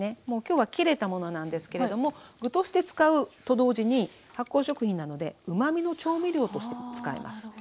もう今日は切れたものなんですけれども具として使うと同時に発酵食品なのでうまみの調味料としても使えます。